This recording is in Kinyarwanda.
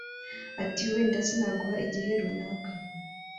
Ati ”Wenda sinaguha igihe runaka